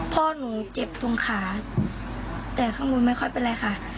พ่อหนูเจ็บตรงขาแต่ข้างบนไม่ค่อยเป็นไรค่ะ